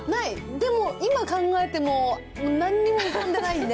でも今考えてももうなんにも浮かんでないんで。